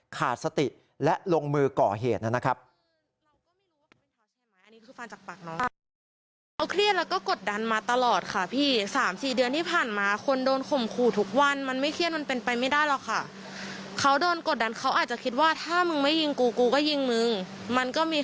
ขาดสติและลงมือก่อเหตุนะครับ